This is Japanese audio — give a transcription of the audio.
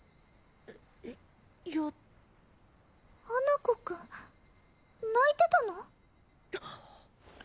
えっいや花子くん泣いてたの？